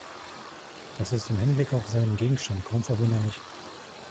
Das ist im Hinblick auf seinen Gegenstand kaum verwunderlich.